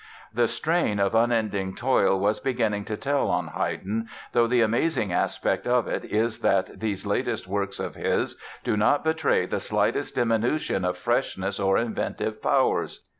The strain of unending toil was beginning to tell on Haydn, though the amazing aspect of it is that these latest works of his do not betray the slightest diminution of freshness or inventive powers.